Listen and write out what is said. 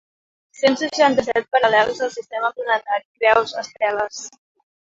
Cent seixanta-set paral·lels al sistema planetari, creus, esteles...